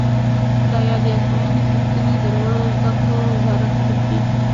د یادې آزموینې پوښتنې د لوړو زده کړو وزارت طبي